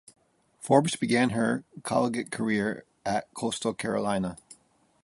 Forbes began her collegiate career at Coastal Carolina.